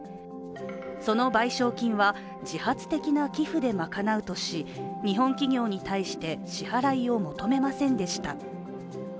その賠償金は自発的な寄付で賄うとし、日本企業に対して、支払いを求めませんでした。